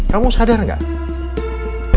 kamu sadar gak